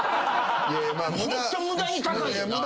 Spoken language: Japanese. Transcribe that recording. ホント無駄に高いよな。